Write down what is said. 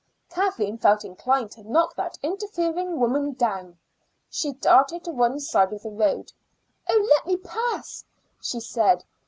Kathleen felt inclined to knock that interfering woman down. She darted to one side of the road. "Oh, let me pass!" she said.